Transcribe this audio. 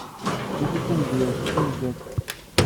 Mači d tamedyazt d tameggalt.